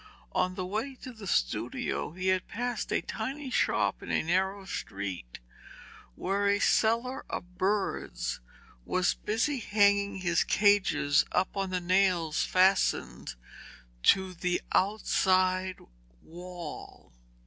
On the way to the studio he had passed a tiny shop in a narrow street where a seller of birds was busy hanging his cages up on the nails fastened to the outside wall.